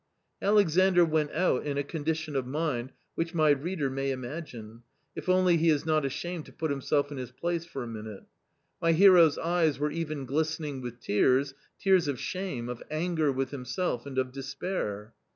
Alexandr went out in a condition of mind which my reader may imagine, if only he is not ashamed to put him self in his place for a minute. My hero's eyes were even glistening with tears, tears of shame, of anger with himself, and of despair.